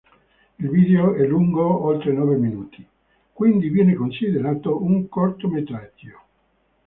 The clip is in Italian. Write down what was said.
Il video è lungo oltre nove minuti, quindi viene considerato un cortometraggio.